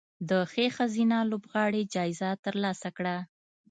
د ښې ښځینه لوبغاړې جایزه ترلاسه کړه